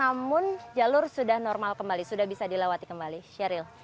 namun jalur sudah normal kembali sudah bisa dilawati kembali